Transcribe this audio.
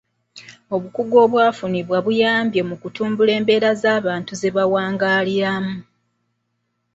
Obukugu obwafunibwa buyambye mu kutumbula embeera z'abantu ze bawangaaliramu.